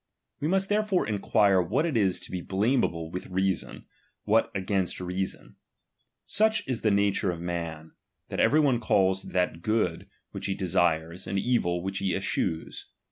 We must therefore enquire what it is to be blameahle with reason, what against reason. Such is the nature of man, that every one calls that good which he desires, and evil which he eschews.